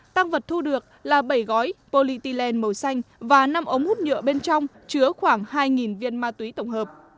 tăng vật thu được là bảy gói polyethylen màu xanh và năm ống hút nhựa bên trong chứa khoảng hai viên ma túy tổng hợp